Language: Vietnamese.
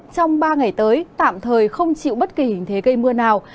trong ba ngày tới tạm thời không chịu bất kỳ hình thế gây mưa nào